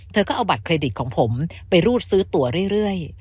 เธอก็เอาบัตรเครดิตของผมไปรูดซื้อตัวเรื่อย